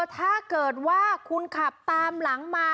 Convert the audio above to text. ถ้าเกิดว่าคุณขับตามหลังมา